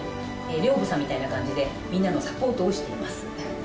寮母さんみたいな感じでみんなのサポートをしています。